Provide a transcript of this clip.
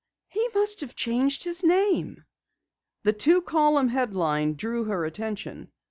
He must have changed his name!" The two column headline drew her attention.